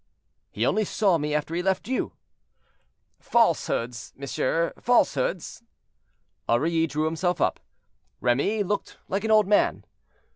"He only saw me after he left you." "Falsehoods, monsieur; falsehoods." Aurilly drew himself up—Remy looked like an old man.